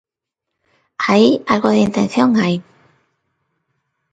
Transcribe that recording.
Aí algo de intención hai.